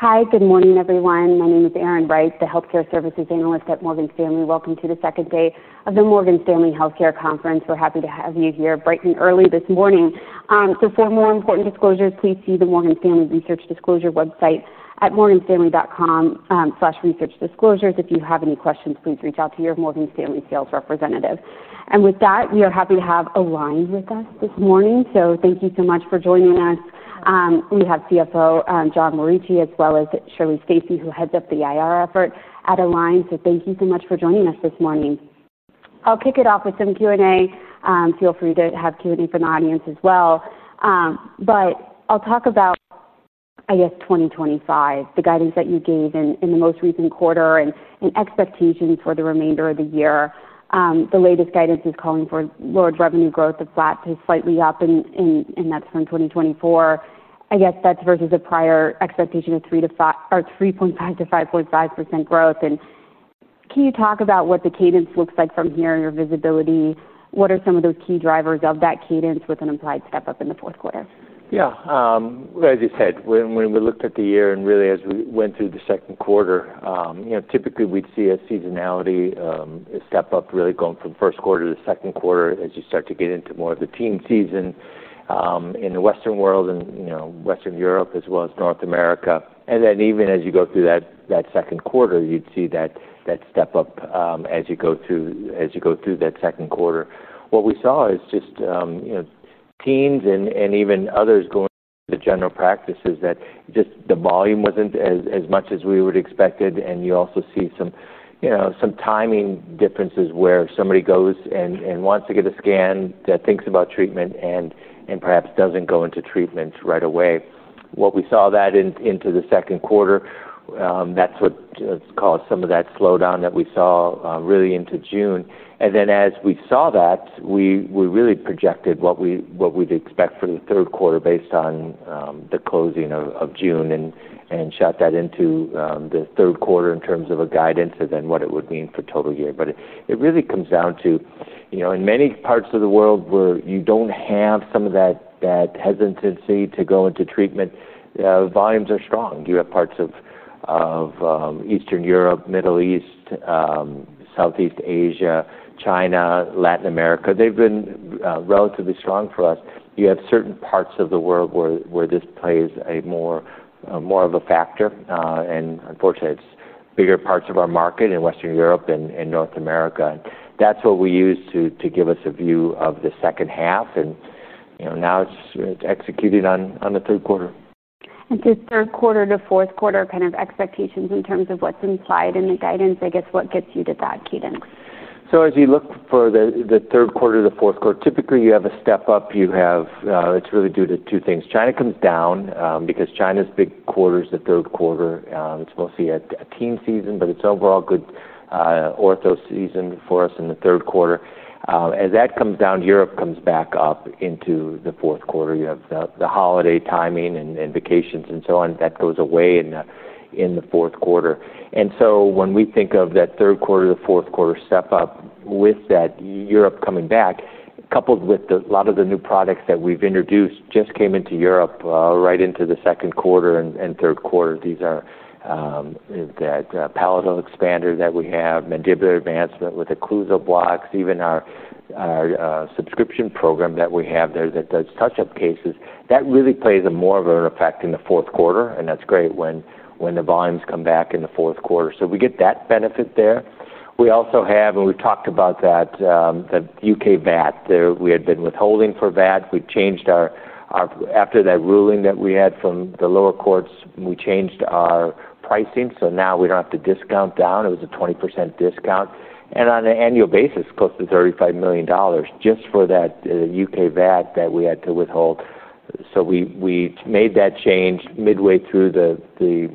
Hi, good morning everyone. My name is Erin Wright, the Healthcare Services Analyst at Morgan Stanley. Welcome to the second day of the Morgan Stanley Healthcare Conference. We're happy to have you here bright and early this morning. Just some more important disclosures. Please see the Morgan Stanley Research Disclosure website at morganstanley.com/researchdisclosures. If you have any questions, please reach out to your Morgan Stanley sales representative. With that, we are happy to have Align Technology with us this morning. Thank you so much for joining us. We have Chief Financial Officer, John Morici, as well as Shirley Stacy, who heads up the Investor Relations effort at Align Technology. Thank you so much for joining us this morning. I'll kick it off with some Q&A. Feel free to have Q&A from the audience as well. I'll talk about, I guess, 2025, the guidance that you gave in the most recent quarter and expectations for the remainder of the year. The latest guidance is calling for lowered revenue growth, flat to slightly up, and that's from 2024. I guess that's versus a prior expectation of 3 to 5% or 3.5 to 5.5% growth. Can you talk about what the cadence looks like from here, your visibility? What are some of those key drivers of that cadence with an implied step up in the fourth quarter? Yeah, as you said, when we looked at the year and really as we went through the second quarter, typically we'd see a seasonality, a step up really going from first quarter to second quarter as you start to get into more of the teen season in the Western world and Western Europe as well as North America. Even as you go through that second quarter, you'd see that step up as you go through that second quarter. What we saw is just teens and even others going to the general practice is that just the volume wasn't as much as we would have expected. You also see some timing differences where somebody goes and wants to get a scan, thinks about treatment and perhaps doesn't go into treatment right away. We saw that into the second quarter, that's what caused some of that slowdown that we saw, really into June. As we saw that, we really projected what we'd expect for the third quarter based on the closing of June and shot that into the third quarter in terms of guidance and then what it would mean for total year. It really comes down to, in many parts of the world where you don't have some of that hesitancy to go into treatment, volumes are strong. You have parts of Eastern Europe, Middle East, Southeast Asia, China, Latin America, they've been relatively strong for us. You have certain parts of the world where this plays more of a factor, and unfortunately, it's bigger parts of our market in Western Europe and North America. That's what we use to give us a view of the second half. Now it's executed on the third quarter. Third quarter to fourth quarter, kind of expectations in terms of what's implied in the guidance, I guess, what gets you to that cadence? As you look for the third quarter to the fourth quarter, typically you have a step up. It's really due to two things. China comes down, because China's big quarter is the third quarter. It's mostly a teen season, but it's overall a good ortho season for us in the third quarter. As that comes down, Europe comes back up into the fourth quarter. You have the holiday timing and vacations and so on that goes away in the fourth quarter. When we think of that third quarter to the fourth quarter step up with Europe coming back, coupled with a lot of the new products that we've introduced just came into Europe right into the second quarter and third quarter. These are that palatal expander that we have, mandibular advancement with occlusal blocks, even our subscription program that we have there that does touch-up cases. That really plays more of an effect in the fourth quarter. That's great when the volumes come back in the fourth quarter. We get that benefit there. We also have, and we talked about that, the UK VAT. We had been withholding for VAT. We changed our, after that ruling that we had from the lower courts, we changed our pricing. Now we don't have to discount down. It was a 20% discount. On an annual basis, close to $35 million just for that UK VAT that we had to withhold. We made that change midway through the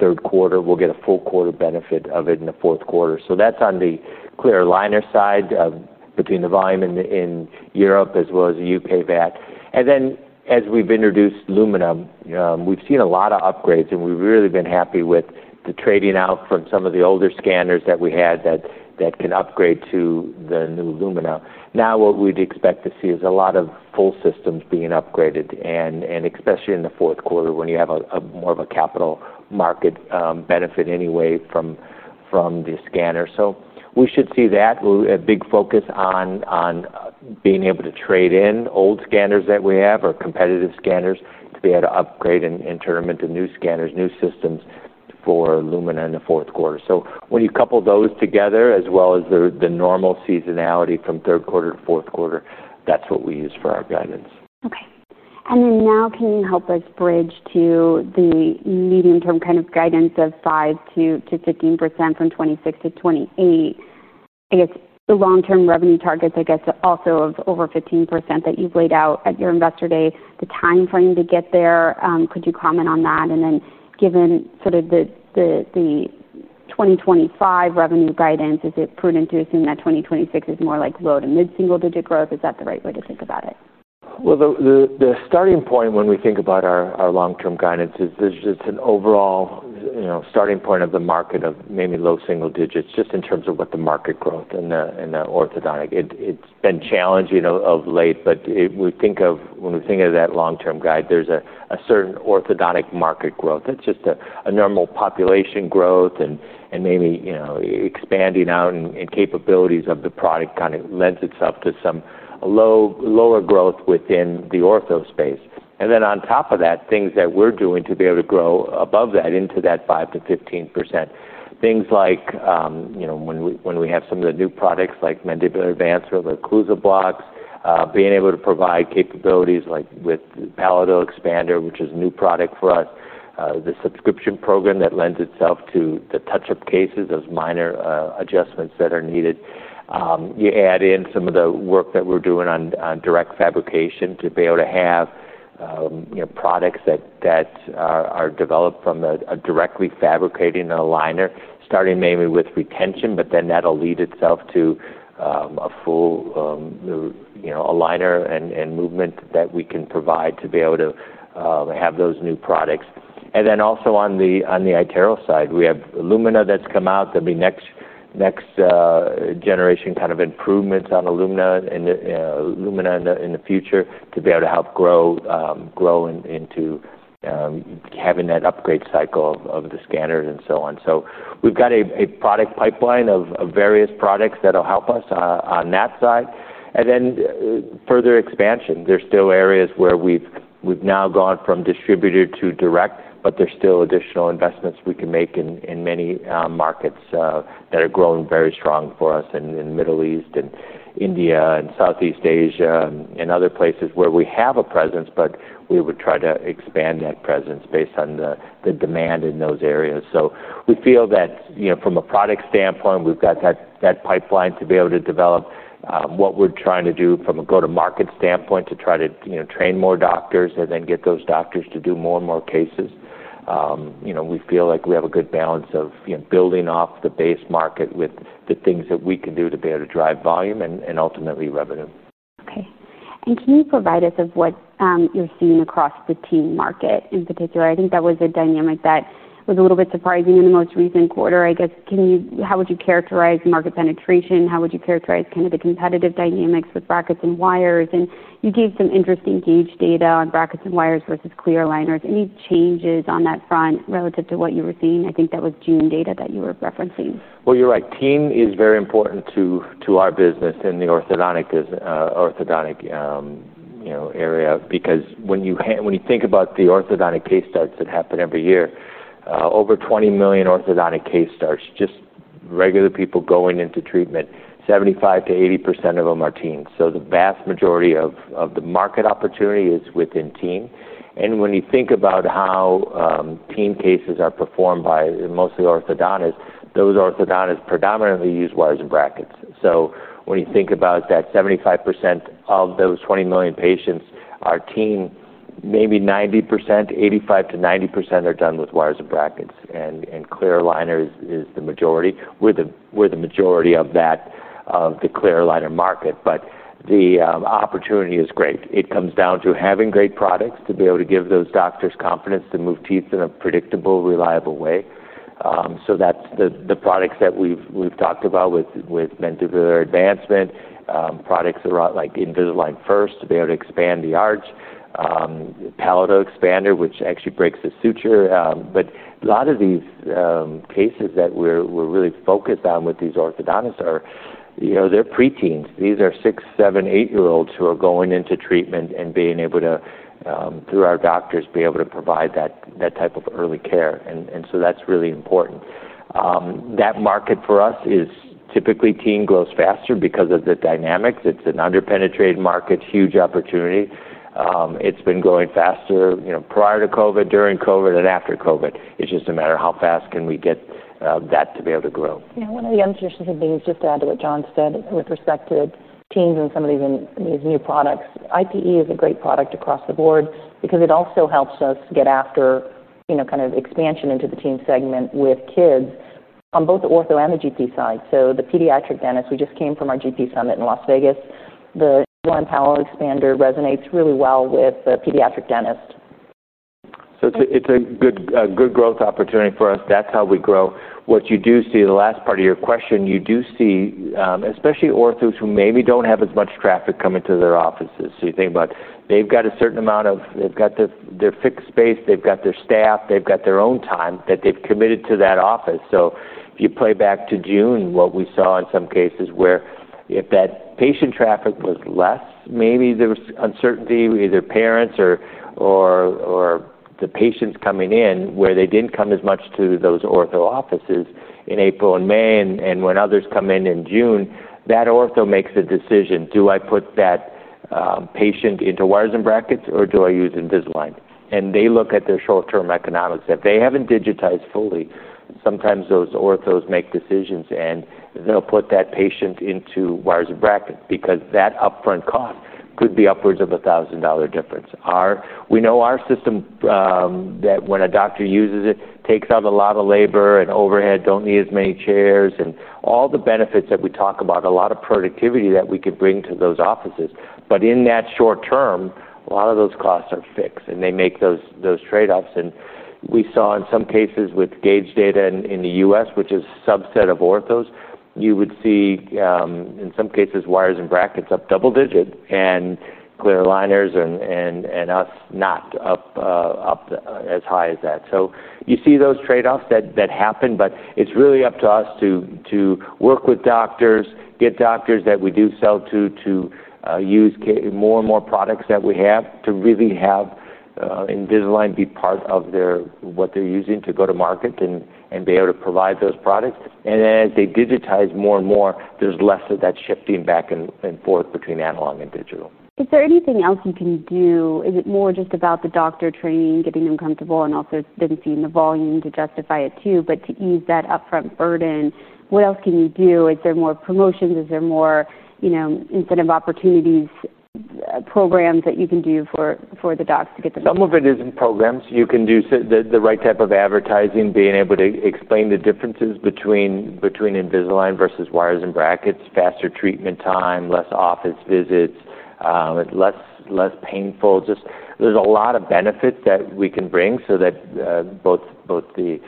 third quarter. We'll get a full quarter benefit of it in the fourth quarter. That's on the clear aligner side of between the volume in Europe as well as the UK VAT. As we've introduced Lumina, we've seen a lot of upgrades and we've really been happy with the trading out from some of the older scanners that we had that can upgrade to the new Lumina. Now what we'd expect to see is a lot of full systems being upgraded, especially in the fourth quarter when you have more of a capital market benefit anyway from the scanner. We should see that. A big focus on being able to trade in old scanners that we have or competitive scanners to be able to upgrade and turn them into new scanners, new systems for Lumina in the fourth quarter. When you couple those together as well as the normal seasonality from third quarter to fourth quarter, that's what we use for our guidance. Okay. Can you help us bridge to the medium-term kind of guidance of 5 to 15% from 2026 to 2028? I guess the long-term revenue targets, I guess, also of over 15% that you've laid out at your investor day, the timeframe to get there, could you comment on that? Given the 2025 revenue guidance, is it prudent to assume that 2026 is more like low to mid-single digit growth? Is that the right way to think about it? The starting point when we think about our long-term guidance is there's just an overall, you know, starting point of the market of mainly low single digits just in terms of what the market growth and the orthodontic. It's been challenging of late, but we think of when we think of that long-term guide, there's a certain orthodontic market growth. That's just a normal population growth and maybe, you know, expanding out and capabilities of the product kind of lends itself to some lower growth within the ortho space. On top of that, things that we're doing to be able to grow above that into that 5 to 15%. Things like, you know, when we have some of the new products like mandibular advancement with occlusal blocks, being able to provide capabilities like with the palatal expander, which is a new product for us, the subscription program that lends itself to the touch-up cases as minor adjustments that are needed. You add in some of the work that we're doing on direct fabrication to be able to have, you know, products that are developed from directly fabricating an aligner, starting mainly with retention, but then that'll lead itself to a full, you know, aligner and movement that we can provide to be able to have those new products. Also, on the iTero side, we have Lumina that's come out. There'll be next generation kind of improvements on Lumina in the future to be able to help grow into having that upgrade cycle of the scanners and so on. We've got a product pipeline of various products that'll help us on that side. Further expansion, there's still areas where we've now gone from distributor to direct. There's still additional investments we can make in many markets that are growing very strong for us in the Middle East and India and Southeast Asia and other places where we have a presence, but we would try to expand that presence based on the demand in those areas. We feel that, you know, from a product standpoint, we've got that pipeline to be able to develop what we're trying to do from a go-to-market standpoint to try to, you know, train more doctors and then get those doctors to do more and more cases. We feel like we have a good balance of, you know, building off the base market with the things that we can do to be able to drive volume and ultimately revenue. Okay. Can you provide us with what you're seeing across the teen market in particular? I think that was a dynamic that was a little bit surprising in the most recent quarter. I guess, how would you characterize market penetration? How would you characterize kind of the competitive dynamics with brackets and wires? You gave some interesting gauge data on brackets and wires versus clear aligners. Any changes on that front relative to what you were seeing? I think that was June data that you were referencing. You're right. Teen is very important to our business in the orthodontic area because when you think about the orthodontic case starts that happen every year, over 20 million orthodontic case starts, just regular people going into treatment, 75% to 80% of them are teens. The vast majority of the market opportunity is within teen. When you think about how teen cases are performed by mostly orthodontists, those orthodontists predominantly use wires and brackets. When you think about that 75% of those 20 million patients are teen, maybe 85% to 90% are done with wires and brackets. Clear aligners is the majority. We're the majority of that, of the clear aligner market. The opportunity is great. It comes down to having great products to be able to give those doctors confidence to move teeth in a predictable, reliable way. That's the products that we've talked about with mandibular advancement, products that are like Invisalign First to be able to expand the arch, the palatal expander, which actually breaks the suture. A lot of these cases that we're really focused on with these orthodontists are, you know, they're preteens. These are six, seven, eight-year-olds who are going into treatment and being able to, through our doctors, be able to provide that type of early care. That's really important. That market for us is typically teen, grows faster because of the dynamics. It's an underpenetrated market, huge opportunity. It's been growing faster prior to COVID, during COVID, and after COVID. It's just a matter of how fast can we get that to be able to grow. Yeah. One of the other interesting things just to add to what John said with respect to teens and some of these new products, IPE is a great product across the board because it also helps us get after, you know, kind of expansion into the teen segment with kids on both the ortho and the GP side. The pediatric dentist, we just came from our GP summit in Las Vegas. The one palatal expander resonates really well with the pediatric dentist. It's a good, good growth opportunity for us. That's how we grow. What you do see, the last part of your question, you do see especially orthos who maybe don't have as much traffic coming to their offices. You think about they've got a certain amount of, they've got their fixed space, they've got their staff, they've got their own time that they've committed to that office. You play back to June what we saw in some cases where if that patient traffic was less, maybe there was uncertainty with either parents or the patients coming in where they didn't come as much to those ortho offices in April and May. When others come in in June, that ortho makes a decision, do I put that patient into wires and brackets or do I use Invisalign? They look at their short-term economics. If they haven't digitized fully, sometimes those orthos make decisions and they'll put that patient into wires and brackets because that upfront cost could be upwards of a $1,000 difference. We know our system, that when a doctor uses it, takes out a lot of labor and overhead, don't need as many chairs and all the benefits that we talk about, a lot of productivity that we could bring to those offices. In that short term, a lot of those costs are fixed and they make those trade-offs. We saw in some cases with gauge data in the U.S., which is a subset of orthos, you would see in some cases wires and brackets up double digit and clear aligners and us not up as high as that. You see those trade-offs that happen, but it's really up to us to work with doctors, get doctors that we do sell to to use more and more products that we have to really have Invisalign be part of what they're using to go to market and be able to provide those products. As they digitize more and more, there's less of that shifting back and forth between analog and digital. Is there anything else you can do? Is it more just about the doctor training, getting them comfortable, and also then seeing the volume to justify it too, but to ease that upfront burden, what else can you do? Is there more promotions? Is there more incentive opportunities, programs that you can do for the docs to get them? Some of it is in programs. You can do the right type of advertising, being able to explain the differences between Invisalign versus wires and brackets, faster treatment time, less office visits, less painful. There's a lot of benefit that we can bring so that both the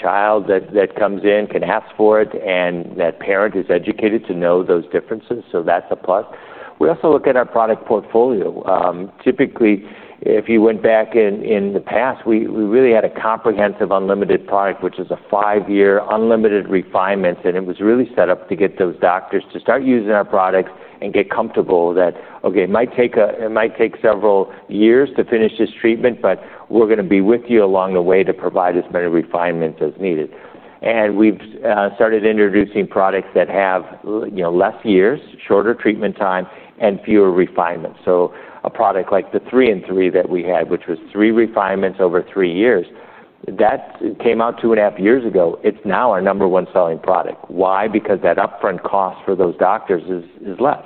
child that comes in can ask for it and that parent is educated to know those differences. That's a plus. We also look at our product portfolio. Typically, if you went back in the past, we really had a comprehensive unlimited product, which is a five-year unlimited refinements, and it was really set up to get those doctors to start using our products and get comfortable that, okay, it might take several years to finish this treatment, but we're going to be with you along the way to provide as many refinements as needed. We've started introducing products that have less years, shorter treatment time, and fewer refinements. A product like the 3-in-3 that we had, which was three refinements over three years, came out two and a half years ago. It's now our number one selling product. Why? Because that upfront cost for those doctors is less.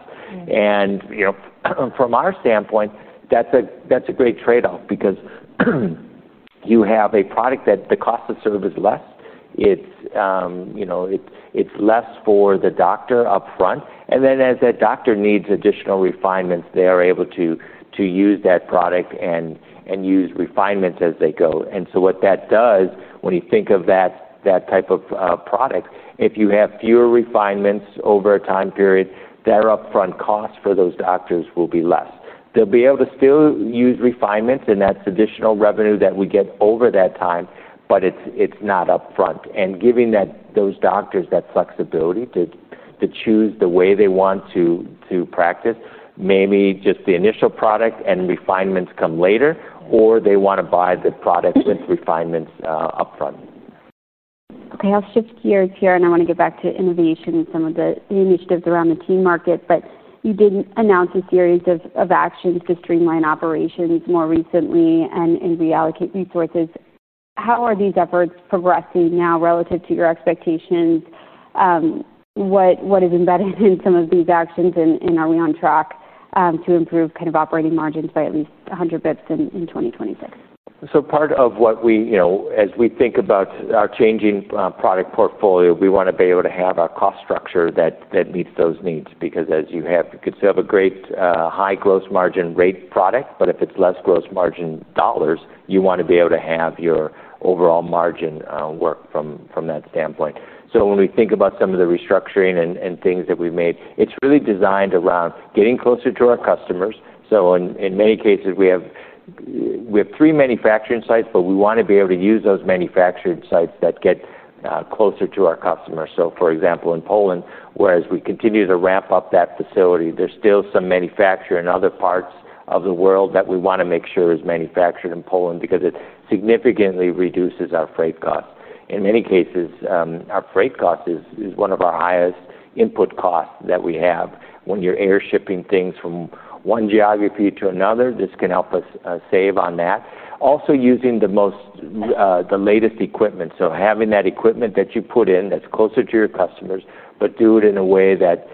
From our standpoint, that's a great trade-off because you have a product that the cost of service is less. It's less for the doctor upfront. As that doctor needs additional refinements, they are able to use that product and use refinements as they go. What that does, when you think of that type of product, if you have fewer refinements over a time period, that upfront cost for those doctors will be less. They'll be able to still use refinements, and that's additional revenue that we get over that time, but it's not upfront. Giving those doctors that flexibility to choose the way they want to practice, maybe just the initial product and refinements come later, or they want to buy the product with refinements upfront. Okay. I'll shift gears here, and I want to get back to innovation and some of the initiatives around the teen market. You did announce a series of actions to streamline operations more recently and reallocate resources. How are these efforts progressing now relative to your expectations? What is embedded in some of these actions, and are we on track to improve kind of operating margins by at least 100 bps in 2026? Part of what we, as we think about our changing product portfolio, we want to be able to have our cost structure that meets those needs because as you have, you could still have a great high gross margin rate product, but if it's less gross margin dollars, you want to be able to have your overall margin work from that standpoint. When we think about some of the restructuring and things that we've made, it's really designed around getting closer to our customers. In many cases, we have three manufacturing sites, but we want to be able to use those manufacturing sites that get closer to our customers. For example, in Poland, as we continue to ramp up that facility, there's still some manufacturing in other parts of the world that we want to make sure is manufactured in Poland because it significantly reduces our freight cost. In many cases, our freight cost is one of our highest input costs that we have. When you're air shipping things from one geography to another, this can help us save on that. Also, using the latest equipment. Having that equipment that you put in that's closer to your customers, but do it in a way that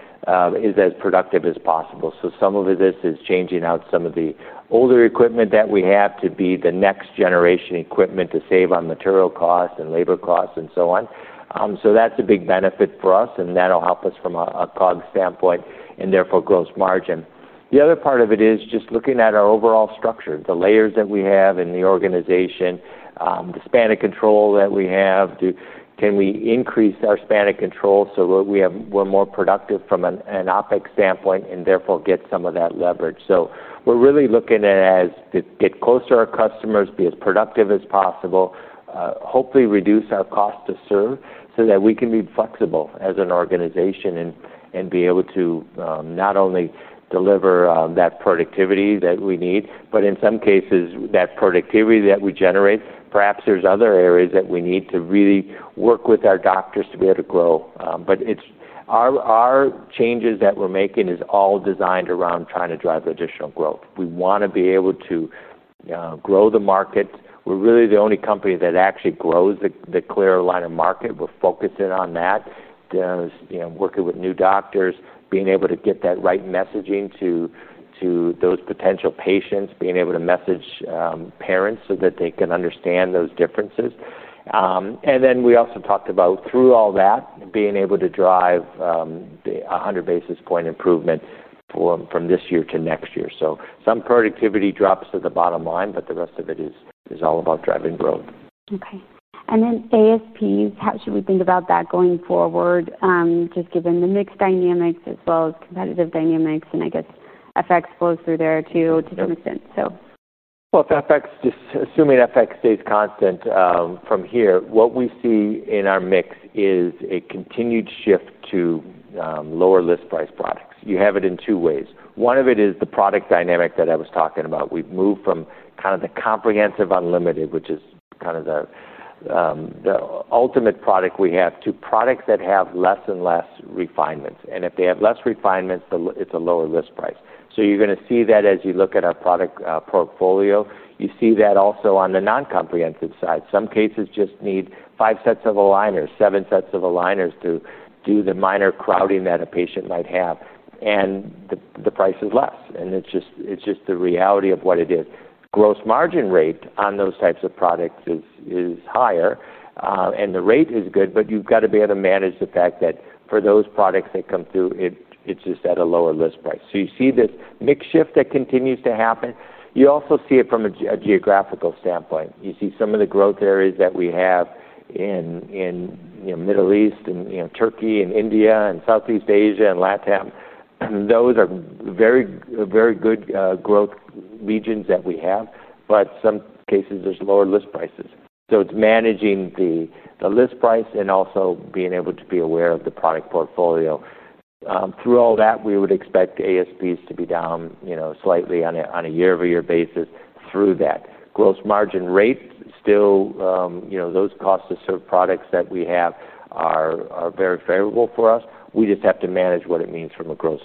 is as productive as possible. Some of this is changing out some of the older equipment that we have to be the next generation equipment to save on material costs and labor costs and so on. That's a big benefit for us, and that'll help us from a COG standpoint and therefore gross margin. The other part of it is just looking at our overall structure, the layers that we have in the organization, the span of control that we have. Can we increase our span of control so we're more productive from an OpEx standpoint and therefore get some of that leverage? We're really looking at it as to get closer to our customers, be as productive as possible, hopefully reduce our cost to serve so that we can be flexible as an organization and be able to not only deliver that productivity that we need, but in some cases, that productivity that we generate, perhaps there's other areas that we need to really work with our doctors to be able to grow. Our changes that we're making are all designed around trying to drive additional growth. We want to be able to grow the market. We're really the only company that actually grows the clear aligner market. We're focusing on that. You know, working with new doctors, being able to get that right messaging to those potential patients, being able to message parents so that they can understand those differences. We also talked about, through all that, being able to drive the 100 basis point improvement from this year to next year. Some productivity drops to the bottom line, but the rest of it is all about driving growth. Okay. ASP, how should we think about that going forward, just given the mixed dynamics as well as competitive dynamics? I guess FX flows through there too, to some extent. If FX stays constant from here, what we see in our mix is a continued shift to lower list price products. You have it in two ways. One of it is the product dynamic that I was talking about. We've moved from kind of the comprehensive unlimited, which is kind of the ultimate product we have, to products that have less and less refinements. If they have less refinements, it's a lower list price. You're going to see that as you look at our product portfolio. You see that also on the non-comprehensive side. Some cases just need five sets of aligners, seven sets of aligners to do the minor crowding that a patient might have, and the price is less. It's just the reality of what it is. Gross margin rate on those types of products is higher, and the rate is good, but you've got to be able to manage the fact that for those products that come through, it's just at a lower list price. You see this mix shift that continues to happen. You also see it from a geographical standpoint. You see some of the growth areas that we have in the Middle East, Turkey, India, Southeast Asia, and Latin America, and those are very, very good growth regions that we have, but in some cases, there's lower list prices. It's managing the list price and also being able to be aware of the product portfolio. Through all that, we would expect ASPs to be down slightly on a year-over-year basis through that. Gross margin rate still, those costs to serve products that we have are very favorable for us. We just have to manage what it means from a gross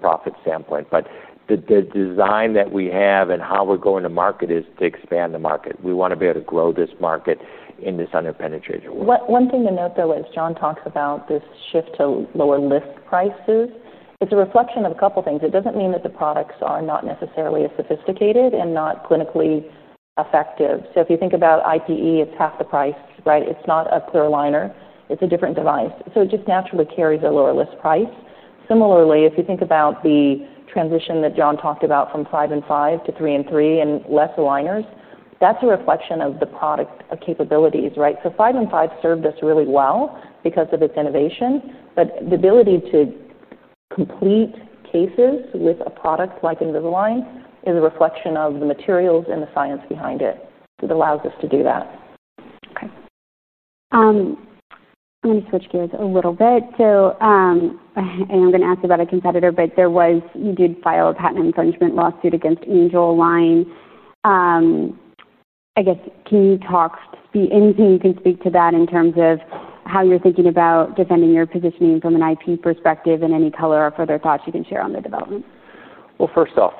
profit standpoint. The design that we have and how we're going to market is to expand the market. We want to be able to grow this market in this underpenetrated way. One thing to note, though, is John talks about this shift to lower list prices. It's a reflection of a couple of things. It doesn't mean that the products are not necessarily as sophisticated and not clinically effective. If you think about IPE, it's half the price, right? It's not a clear aligner. It's a different device. It just naturally carries a lower list price. Similarly, if you think about the transition that John talked about from 5 and 5 to 3-in-3 and less aligners, that's a reflection of the product capabilities, right? 5 and 5 served us really well because of its innovation, but the ability to complete cases with a product like Invisalign is a reflection of the materials and the science behind it that allows us to do that. Okay. I'm going to switch gears a little bit. I'm going to ask you about a competitor, but you did file a patent infringement lawsuit against Angelalign Technology. I guess, can you talk to speak anything you can speak to that in terms of how you're thinking about defending your positioning from an intellectual property perspective in any color or further thoughts you can share on their development? First off,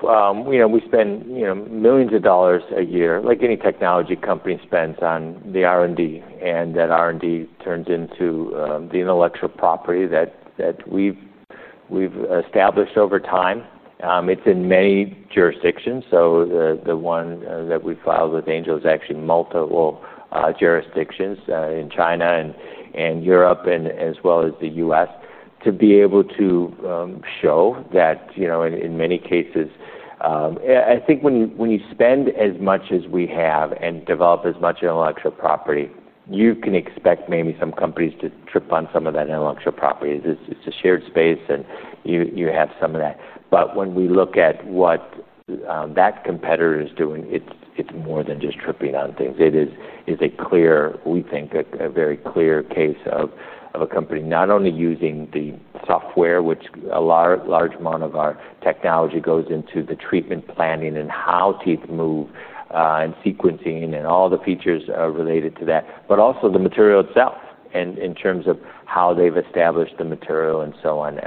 you know, we spend millions of dollars a year, like any technology company spends on R&D, and that R&D turns into the intellectual property that we've established over time. It's in many jurisdictions. The one that we filed with Angelalign Technology is actually multiple jurisdictions in China and Europe and as well as the U.S. to be able to show that, you know, in many cases, I think when you spend as much as we have and develop as much intellectual property, you can expect maybe some companies to trip on some of that intellectual property. It's a shared space and you have some of that. When we look at what that competitor is doing, it's more than just tripping on things. It is a clear, we think, a very clear case of a company not only using the software, which a large amount of our technology goes into the treatment planning and how teeth move, and sequencing and all the features related to that, but also the material itself and in terms of how they've established the material and so on.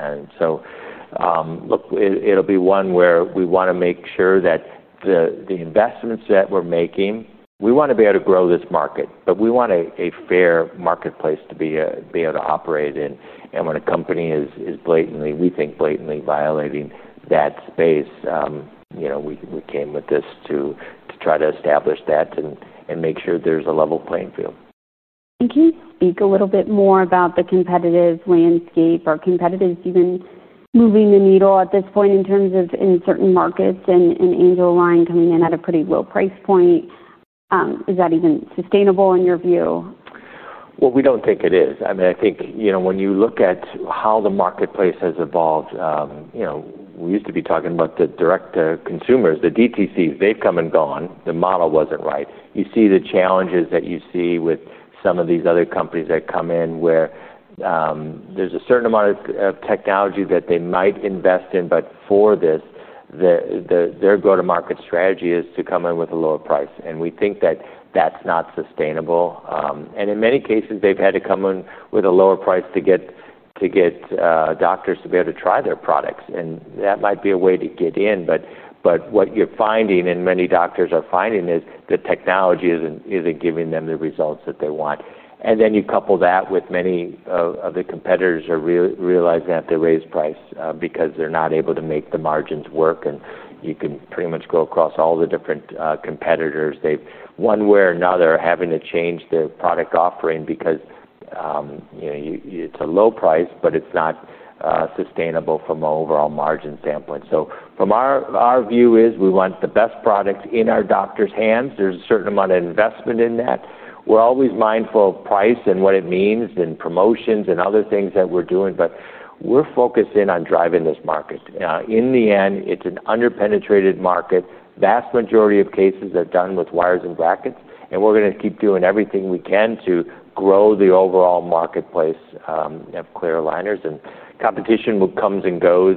Look, it'll be one where we want to make sure that the investments that we're making, we want to be able to grow this market, but we want a fair marketplace to be able to operate in. When a company is blatantly, we think, blatantly violating that space, you know, we came with this to try to establish that and make sure there's a level playing field. Can you speak a little bit more about the competitive landscape or competitors even moving the needle at this point in terms of in certain markets, and Angelalign Technology coming in at a pretty low price point? Is that even sustainable in your view? I mean, I think, you know, when you look at how the marketplace has evolved, you know, we used to be talking about the direct to consumers, the DTCs, they've come and gone. The model wasn't right. You see the challenges that you see with some of these other companies that come in where there's a certain amount of technology that they might invest in, but for this, their go-to-market strategy is to come in with a lower price. We think that that's not sustainable. In many cases, they've had to come in with a lower price to get doctors to be able to try their products. That might be a way to get in, but what you're finding and many doctors are finding is the technology isn't giving them the results that they want. You couple that with many of the competitors are realizing that they raised price because they're not able to make the margins work. You can pretty much go across all the different competitors. They've, one way or another, having to change their product offering because, you know, it's a low price, but it's not sustainable from an overall margin standpoint. From our view is we want the best products in our doctors' hands. There's a certain amount of investment in that. We're always mindful of price and what it means and promotions and other things that we're doing, but we're focused in on driving this market. In the end, it's an underpenetrated market. The vast majority of cases are done with wires and brackets, and we're going to keep doing everything we can to grow the overall marketplace of clear aligners. Competition comes and goes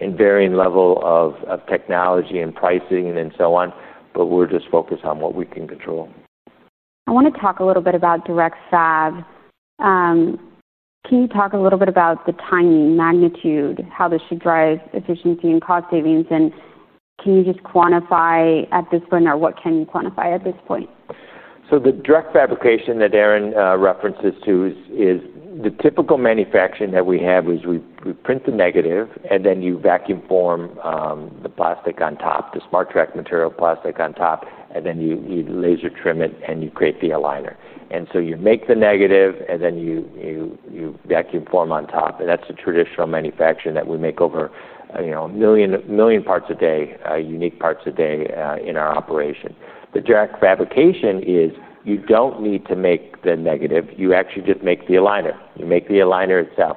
in varying levels of technology and pricing and so on, but we're just focused on what we can control. I want to talk a little bit about direct fabrication (DirectFab) technology. Can you talk a little bit about the timing, magnitude, how this should drive efficiency and cost savings? Can you just quantify at this point, or what can you quantify at this point? The direct fabrication that Erin references is the typical manufacturing that we have. We print the negative, and then you vacuum form the plastic on top, the SmartTrack material plastic on top, and then you laser trim it and you create the aligner. You make the negative, and then you vacuum form on top. That's a traditional manufacturing that we make over a million parts a day, unique parts a day in our operation. The direct fabrication is you don't need to make the negative. You actually just make the aligner. You make the aligner itself.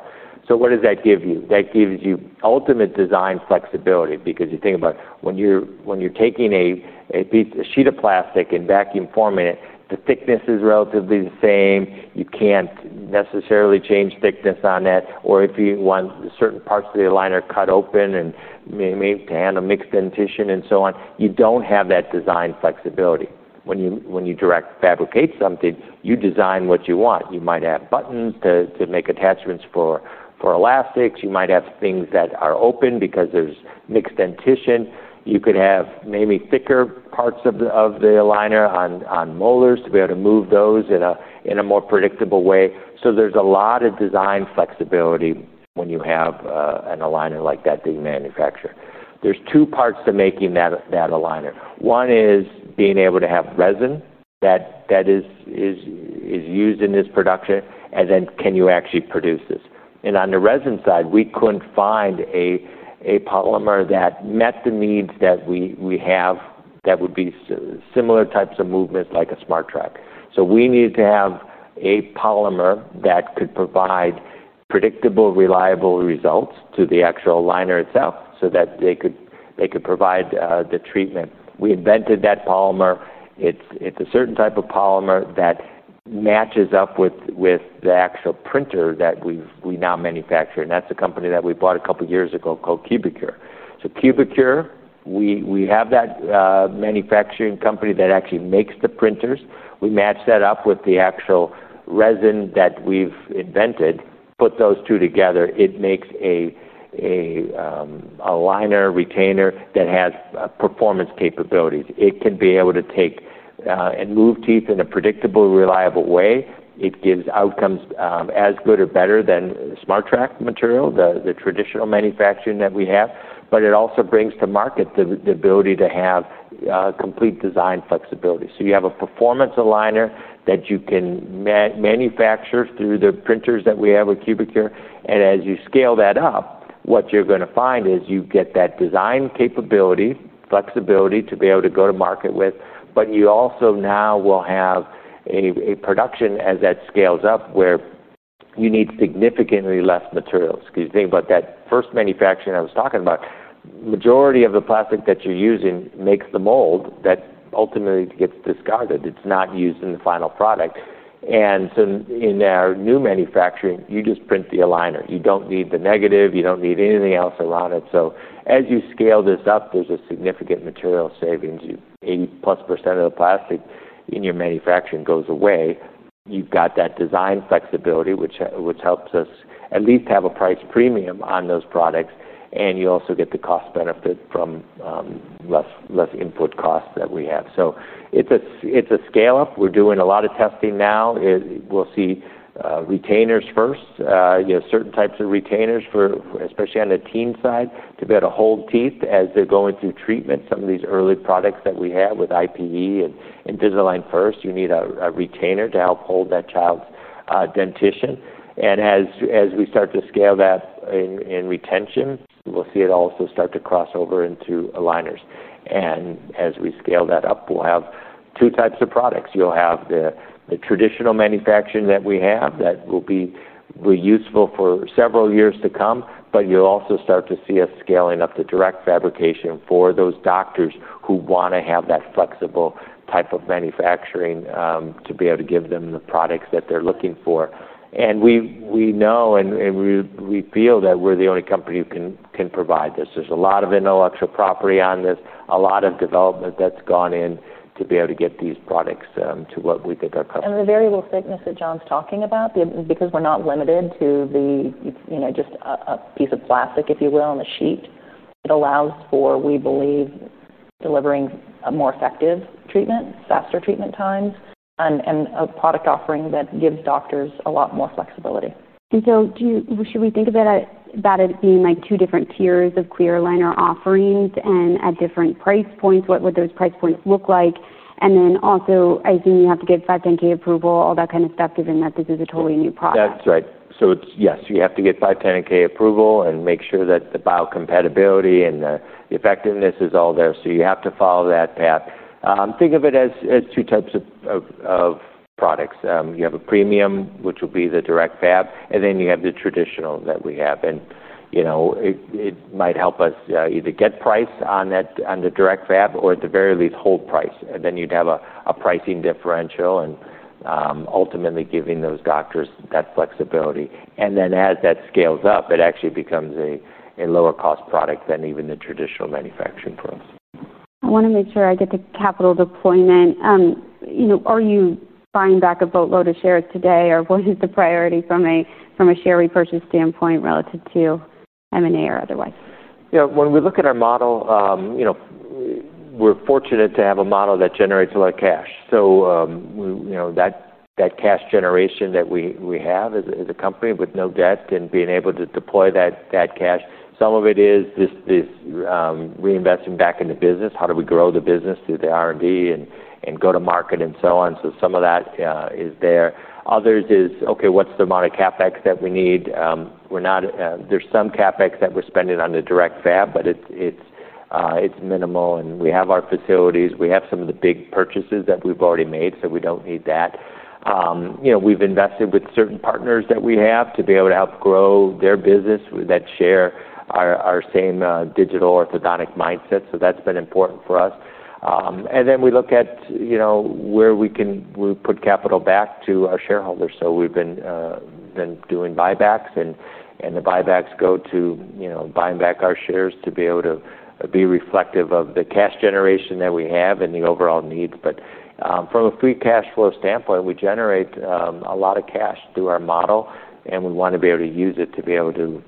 What does that give you? That gives you ultimate design flexibility because you think about when you're taking a sheet of plastic and vacuum forming it, the thickness is relatively the same. You can't necessarily change thickness on that. If you want certain parts of the aligner cut open and maybe to handle mixed dentition and so on, you don't have that design flexibility. When you direct fabricate something, you design what you want. You might have buttons to make attachments for elastics. You might have things that are open because there's mixed dentition. You could have maybe thicker parts of the aligner on molars to be able to move those in a more predictable way. There's a lot of design flexibility when you have an aligner like that being manufactured. There are two parts to making that aligner. One is being able to have resin that is used in this production, and then can you actually produce this? On the resin side, we couldn't find a polymer that met the needs that we have that would be similar types of movements like a SmartTrack. We needed to have a polymer that could provide predictable, reliable results to the actual aligner itself so that they could provide the treatment. We invented that polymer. It's a certain type of polymer that matches up with the actual printer that we now manufacture. That's the company that we bought a couple of years ago, called Cubicure. Cubicure is the manufacturing company that actually makes the printers. We match that up with the actual resin that we've invented, put those two together. It makes an aligner retainer that has performance capabilities. It can be able to take and move teeth in a predictable, reliable way. It gives outcomes as good or better than the SmartTrack material, the traditional manufacturing that we have. It also brings to market the ability to have complete design flexibility. You have a performance aligner that you can manufacture through the printers that we have with Cubicure. As you scale that up, what you're going to find is you get that design capability, flexibility to be able to go to market with. You also now will have a production as that scales up where you need significantly less materials because you think about that first manufacturing I was talking about. The majority of the plastic that you're using makes the mold that ultimately gets discarded. It's not used in the final product. In our new manufacturing, you just print the aligner. You don't need the negative. You don't need anything else around it. As you scale this up, there's a significant material savings. 80+% of the plastic in your manufacturing goes away. You've got that design flexibility, which helps us at least have a price premium on those products. You also get the cost benefit from less input costs that we have. It's a scale-up. We're doing a lot of testing now. We'll see retainers first, certain types of retainers especially on the teen side to be able to hold teeth as they're going through treatment. Some of these early products that we have with IPE and Invisalign First, you need a retainer to help hold that child's dentition. As we start to scale that in retention, we'll see it also start to cross over into aligners. As we scale that up, we'll have two types of products. You'll have the traditional manufacturing that we have that will be useful for several years to come, but you'll also start to see us scaling up the direct fabrication for those doctors who want to have that flexible type of manufacturing to be able to give them the products that they're looking for. We know and we feel that we're the only company who can provide this. There's a lot of intellectual property on this, a lot of development that's gone in to be able to get these products to what we think are customers. The variable thickness that John's talking about, because we're not limited to just a piece of plastic, if you will, on the sheet, allows for, we believe, delivering a more effective treatment, faster treatment times, and a product offering that gives doctors a lot more flexibility. Should we think of that as being like two different tiers of clear aligner offerings at different price points? What would those price points look like? I assume you have to get 510(k) approval, all that kind of stuff, given that this is a totally new product. That's right. Yes, you have to get 510(k) approval and make sure that the biocompatibility and the effectiveness is all there. You have to follow that path. Think of it as two types of products. You have a premium, which would be the DirectFab, and then you have the traditional that we have. It might help us either get priced on the DirectFab or at the very least hold price. You'd have a pricing differential and ultimately give those doctors that flexibility. As that scales up, it actually becomes a lower cost product than even the traditional manufacturing pros. I want to make sure I get the capital deployment. Are you buying back a boatload of shares today, or what is the priority from a share repurchase standpoint relative to M&A or otherwise? Yeah. When we look at our model, you know, we're fortunate to have a model that generates a lot of cash. That cash generation that we have as a company with no debt and being able to deploy that cash, some of it is reinvesting back in the business. How do we grow the business through the R&D and go to market and so on? Some of that is there. Others is, okay, what's the amount of CapEx that we need? We're not, there's some CapEx that we're spending on the DirectFab, but it's minimal. We have our facilities. We have some of the big purchases that we've already made, so we don't need that. You know, we've invested with certain partners that we have to be able to help grow their business that share our same digital orthodontic mindset. That's been important for us. Then we look at where we can put capital back to our shareholders. We've been doing buybacks, and the buybacks go to buying back our shares to be able to be reflective of the cash generation that we have and the overall needs. From a free cash flow standpoint, we generate a lot of cash through our model, and we want to be able to use it to be able to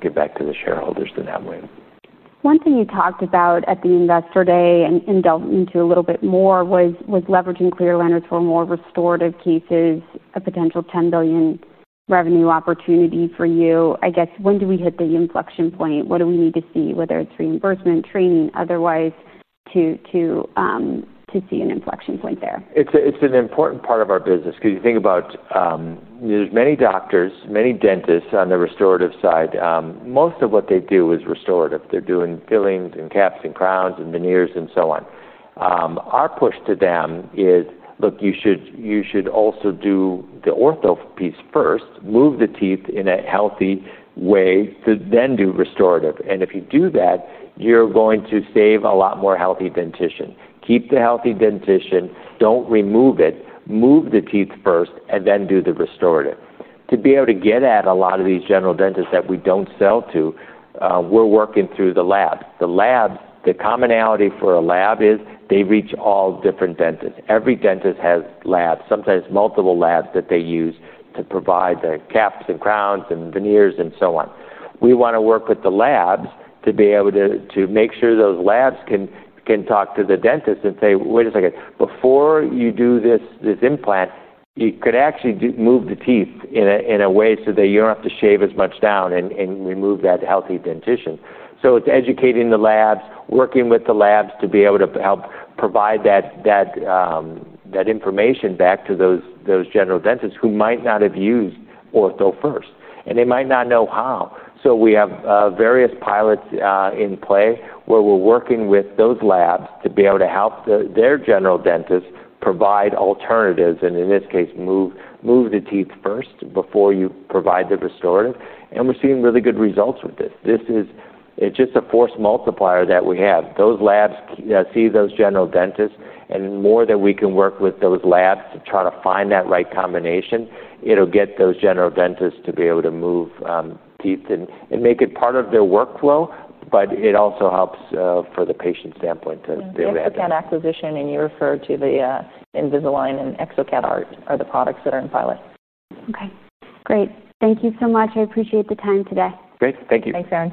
give back to the shareholders in that way. One thing you talked about at the investor day and delved into a little bit more was leveraging clear aligners for more restorative cases, a potential $10 billion revenue opportunity for you. I guess, when do we hit the inflection point? What do we need to see, whether it's reimbursement, training, otherwise, to see an inflection point there? It's an important part of our business because you think about, there's many doctors, many dentists on the restorative side. Most of what they do is restorative. They're doing fillings and caps and crowns and veneers and so on. Our push to them is, look, you should also do the ortho piece first, move the teeth in a healthy way to then do restorative. If you do that, you're going to save a lot more healthy dentition. Keep the healthy dentition. Don't remove it. Move the teeth first and then do the restorative. To be able to get at a lot of these general dentists that we don't sell to, we're working through the labs. The commonality for a lab is they reach all different dentists. Every dentist has labs, sometimes multiple labs that they use to provide the caps and crowns and veneers and so on. We want to work with the labs to be able to make sure those labs can talk to the dentist and say, wait a second, before you do this implant, you could actually move the teeth in a way so that you don't have to shave as much down and remove that healthy dentition. It's educating the labs, working with the labs to be able to help provide that information back to those general dentists who might not have used ortho first. They might not know how. We have various pilots in play where we're working with those labs to be able to help their general dentists provide alternatives and in this case, move the teeth first before you provide the restorative. We're seeing really good results with this. This is just a force multiplier that we have. Those labs see those general dentists, and the more that we can work with those labs to try to find that right combination, it'll get those general dentists to be able to move teeth and make it part of their workflow, but it also helps from the patient standpoint to be able to have that. exocad acquisition, and you referred to the Invisalign and exocad Art are the products that are in pilot. Okay. Great. Thank you so much. I appreciate the time today. Great. Thank you. Thanks, Erin.